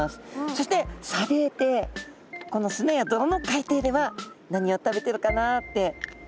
そして砂泥底この砂や泥の海底では何を食べてるかなって。